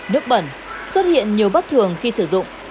nước bẩn xuất hiện nhiều bất thường khi sử dụng